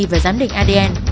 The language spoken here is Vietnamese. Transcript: và giám định adn